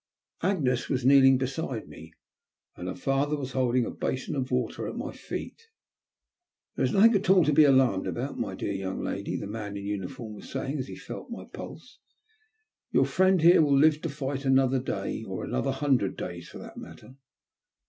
Agnea was kneeling beside me, and her father was holding a basin of water at my feet. '' There is nothing at all to be alarmed about, mj dear young lady," the man in uniform was saying as he felt my pulse, " Your friend here will live to fight another day, or a hundred other days for that matter.